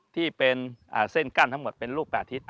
ที่เป็นเส้นกั้นทั้งหมดเป็นลูก๘ทิศ